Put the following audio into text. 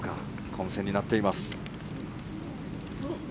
混戦になっています。